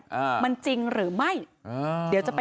จนทำให้ผู้อื่นถึงแก่ความตายได้ด้วยนะคะ